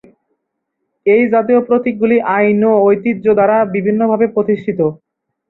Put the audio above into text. এই জাতীয় প্রতীকগুলি আইন ও ঐতিহ্য দ্বারা বিভিন্নভাবে প্রতিষ্ঠিত।